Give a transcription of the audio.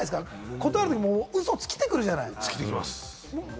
断るときウソついてくるじゃない。